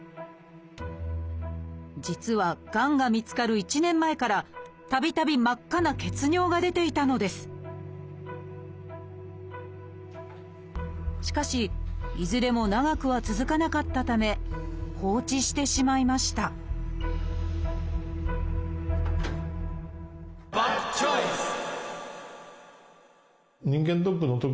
実はがんが見つかる１年前からたびたび真っ赤な血尿が出ていたのですしかしいずれも長くは続かなかったためバッドチョイス！